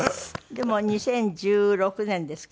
でも２０１６年ですか。